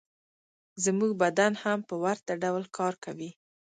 زموږ بدن هم په ورته ډول کار کوي